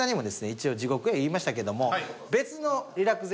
一応地獄や言いましたけども何ですか？